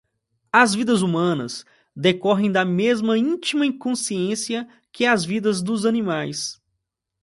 As vidas humanas decorrem da mesma íntima inconsciência que as vidas dos animais.